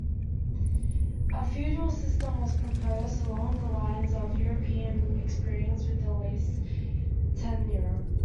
A feudal system was proposed, along the lines of the European experience with lease-tenure.